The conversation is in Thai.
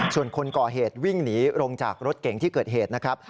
ส่วนคนก่อเหตุวิ่งหนีลงจากรถเก่งที่เกิดเหตุนะครับ